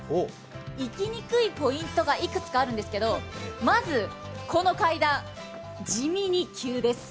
行きにくいポイントがいくつかあるんですけれどもまずこの階段、地味に急です。